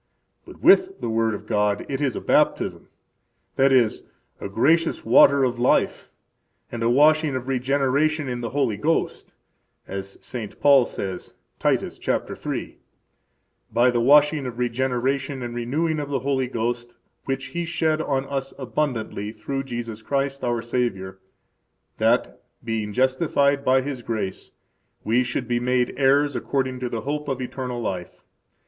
But with the word of God it is a baptism, that is, a gracious water of life and a washing of regeneration in the Holy Ghost, as St. Paul says, Titus, chapter three: By the washing of regeneration and renewing of the Holy Ghost, which He shed on us abundantly through Jesus Christ, our Savior, that, being justified by His grace, we should be made heirs according to the hope of eternal life.